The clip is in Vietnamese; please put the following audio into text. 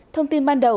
thông tin ban đầu